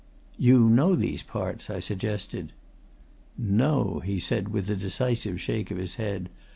"You know these parts," I suggested. "No!" he said, with a decisive shake of his head.